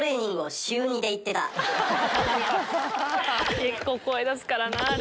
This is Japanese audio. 結構声出すからなあれ。